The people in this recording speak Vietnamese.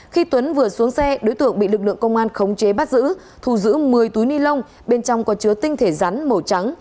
khi tuấn vừa xuống xe đối tượng bị lực lượng công an khống chế bắt giữ thù giữ một mươi túi ni lông bên trong có chứa tinh thể rắn màu trắng